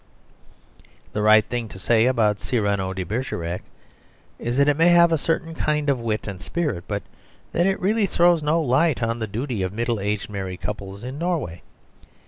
The right thing to say about Cyrano de Bergerac is that it may have a certain kind of wit and spirit, but that it really throws no light on the duty of middle aged married couples in Norway.